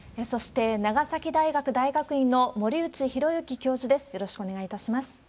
そして、長崎大学大学院の森内浩幸教授です。